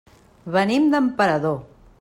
Venim d'Emperador.